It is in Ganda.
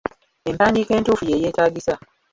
Empandiika entuufu ye yeetagisa.